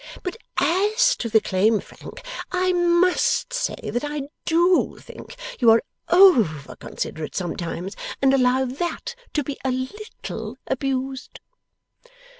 But AS to the claim, Frank, I MUST say that I DO think you are OVER considerate sometimes, and allow THAT to be a LITTLE abused.